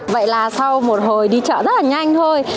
vậy là sau một hồi đi chợ rất là nhanh thôi